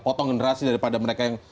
potong generasi daripada mereka yang